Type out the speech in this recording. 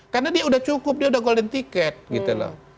karena dia sudah cukup dia sudah golden ticket gitu loh